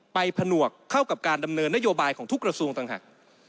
ผนวกเข้ากับการดำเนินนโยบายของทุกกระทรวงต่างหาก